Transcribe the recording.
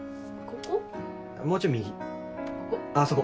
あっそこ。